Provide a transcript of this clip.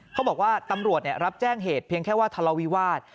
เขาบอกว่าตำรวจรับแจ้งเหตุเพียงแค่ว่าทะเลาวิวาส